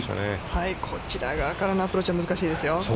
こちら側からのアプローチは難しいですよ。